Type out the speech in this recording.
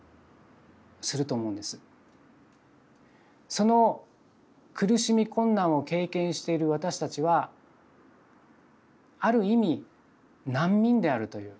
その苦しみ困難を経験している私たちはある意味「難民」であるという。